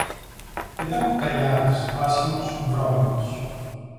Ήταν κοκαλιάρης, άσχημος, βρώμικος